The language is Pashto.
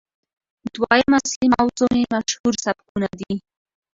دويمه اصلي موضوع مې مشهورسبکونه دي